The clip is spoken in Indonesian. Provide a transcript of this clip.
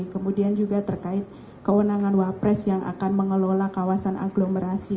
kemudian juga terkait kewenangan wapres yang akan mengelola kawasan aglomerasi